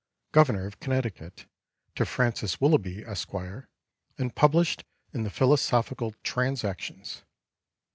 governor of Connecticut, to Francis Willoughby, Esq., and published in the philosophical Transactions."